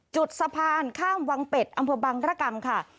จุดสะพานข้ามวังเป็ดอัมพบังระกรรมค่ะ